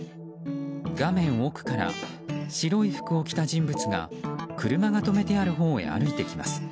画面奥から白い服を着た人物が車が止めてあるほうへ歩いてきます。